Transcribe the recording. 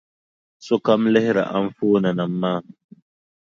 Sokam lihiri anfooninima maa.